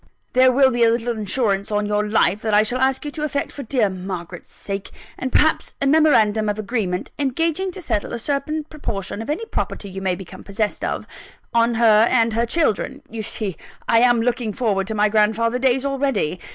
There will be a little insurance on your life, that I shall ask you to effect for dear Margaret's sake; and perhaps, a memorandum of agreement, engaging to settle a certain proportion of any property you may become possessed of, on her and her children. You see I am looking forward to my grandfather days already!